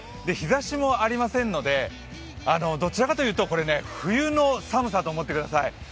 日ざしもありませんので、どちらかというと冬の寒さと思ってください。